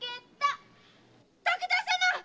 徳田様っ！